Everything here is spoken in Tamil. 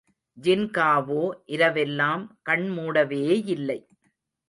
ஜின்காவோ இரவெல்லாம் கண்மூடவேயில்லை.